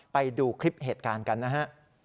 ไปดูคลิปเหตุการณ์กันนะฮะ